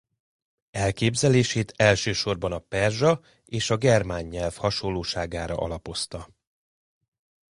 Elképzelését elsősorban a perzsa és a germán nyelv hasonlóságára alapozta.